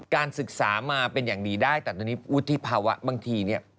การศึกษามาเป็นอย่างดีได้แต่ตอนนี้วุฒิภาวะบางทีเนี่ย